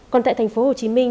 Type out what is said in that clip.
còn tại thành phố hồ chí minh